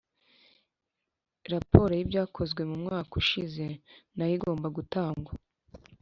raporo yibyakozwe mu mwaka ushize nayo igomba gutangwa